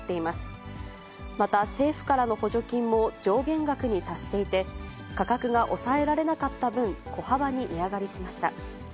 また、政府からの補助金も上限額に達していて、価格が抑えられなかった分、小幅に値上がりしました。